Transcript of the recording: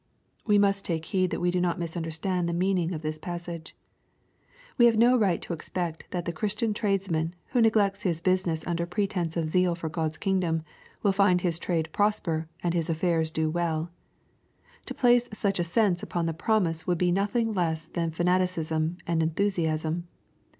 '' We must take heed that we do not misunderstand the meaning of this passage. We have no right to expect that the Christian tradesman, who neglects his business under pretence of zeal for God's kingdom, will find his trade prosper, and his afiairs do well. To place such a sense upon the promise would be nothing less than fa naticism and enthusiasm.